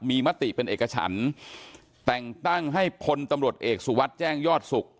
มีมติเป็นเอกฉันแต่งตั้งให้พลตำรวจเอกสุวัสดิ์แจ้งยอดสุข